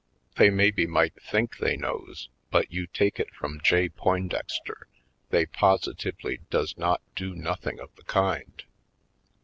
They maybe might think they knows but you take it from J. Poindexter they positively does not do nothing of the kind.